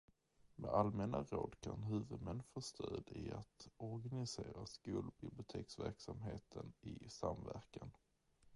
Med allmänna råd kan huvudmän få stöd i att organisera skolbiblioteksverksamheten i samverkan.